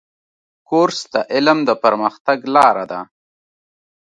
کورس د علم د پرمختګ لاره ده.